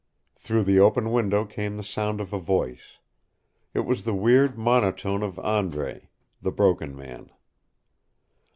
Through the open window came the sound of a voice. It was the weird monotone of Andre, the Broken Man.